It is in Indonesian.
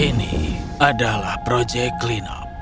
ini adalah projek cleanup